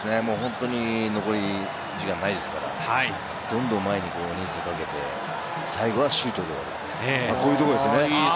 本当に残り時間ないですから、どんどん前に人数かけて最後はシュートで終わる、こういうところですね。